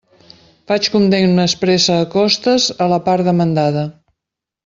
Faig condemna expressa a costes a la part demandada.